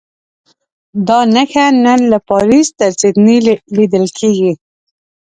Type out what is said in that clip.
دا نښه نن له پاریس تر سیډني لیدل کېږي.